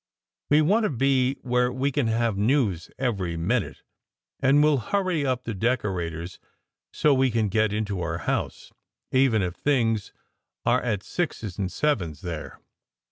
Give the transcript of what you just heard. We want to be where we can have news every minute, and will hurry up the decorators so we can get into our house, even if things are at sixes and sevens there.